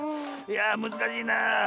いやあむずかしいなあ。